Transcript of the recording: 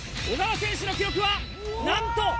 小川選手の記録はなんと。